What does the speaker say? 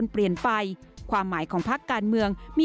โปรดติดตามตอนต่อไป